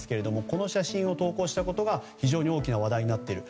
この写真を投稿したことが非常に大きな話題になっている。